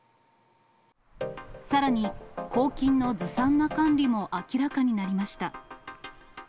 さらに、公金のずさんな管理も明らかになりました。